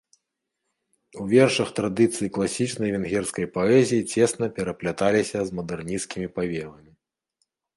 У вершах традыцыі класічнай венгерскай паэзіі цесна перапляталіся з мадэрнісцкімі павевамі.